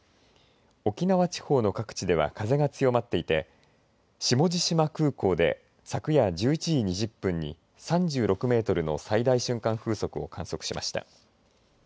沖縄地方の各地では風が強まっていて下地島空港で昨夜１１時２０分に３６メートルの最大瞬間風速を観測しました。